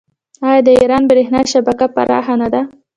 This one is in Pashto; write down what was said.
آیا د ایران بریښنا شبکه پراخه نه ده؟